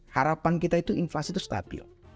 harapan kita itu inflasi itu stabil